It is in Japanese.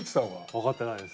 わかってないです。